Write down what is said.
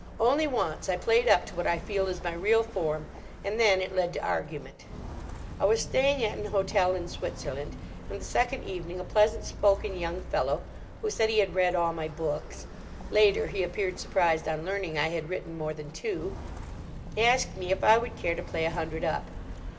Only once I played up to what I feel is my real form, and then it led to argument. I was staying at an hotel in Switzerland, and the second evening a pleasant spoken young fellow, who said he had read all my books—later, he appeared surprised on learning I had written more than two—asked me if I would care to play a hundred up.